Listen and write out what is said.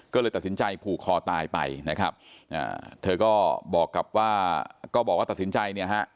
ก็เลยตัดสินใจผูกคอตายไปนะครับเธอก็บอกกับว่าก็บอกว่าตัดสินใจเนี่ยฮะ